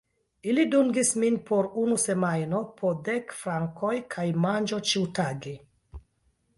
Ili dungis min por unu semajno, po dek frankoj kaj manĝo ĉiutage.